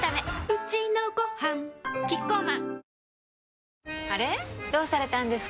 うちのごはんキッコーマン